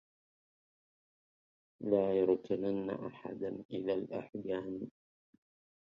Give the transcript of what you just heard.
لا يركنن أحد إلى الإحجام